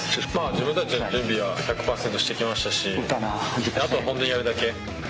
自分たちの準備は１００％してきましたし、あとは本当にやるだけ。